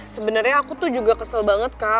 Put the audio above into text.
sebenernya aku tuh juga kesel banget kak